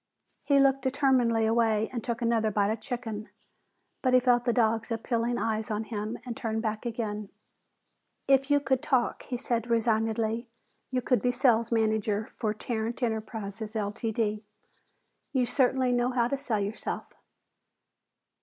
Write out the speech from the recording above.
He looked determinedly away and took another bite of chicken, but he felt the dog's appealing eyes on him and turned back again. "If you could talk," he said resignedly, "you could be sales manager for Tarrant Enterprises, Ltd. You certainly know how to sell yourself."